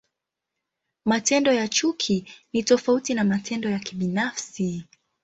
Matendo ya chuki ni tofauti na matendo ya kibinafsi.